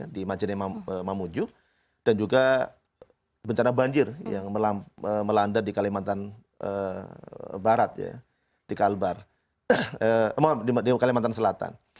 di majene mamuju dan juga bencana banjir yang melanda di kalimantan selatan